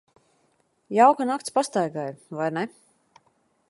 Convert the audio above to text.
Jauka nakts pastaigai, vai ne?